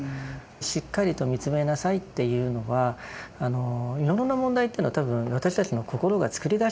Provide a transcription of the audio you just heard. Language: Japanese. しっかりと見つめなさいっていうのはいろいろな問題というのは多分私たちの心が作り出しているんですよね。